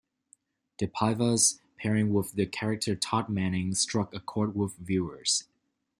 DePaiva's pairing with the character Todd Manning struck a cord with viewers.